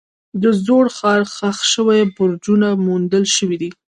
د زوړ ښار ښخ شوي برجونه موندل شوي دي.